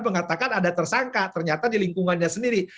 mengatakan ada tersangka ternyata di lingkungannya sendiri